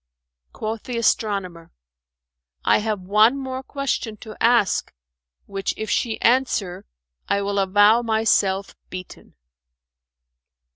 Quoth the astronomer, "I have one more question to ask, which if she answer, I will avow myself beaten."